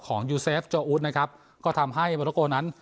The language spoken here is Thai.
ของยูเซฟเจ้าอุทนะครับก็ทำให้บริโกณนั้น